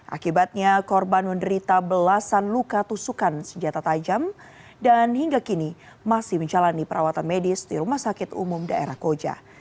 akibatnya korban menderita belasan luka tusukan senjata tajam dan hingga kini masih menjalani perawatan medis di rumah sakit umum daerah koja